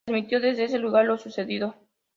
Transmitió desde ese lugar lo sucedido.